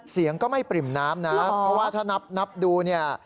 เสียงก็ไม่ปริ่มน้ำนะเพราะว่าถ้านับนับดูเนี่ย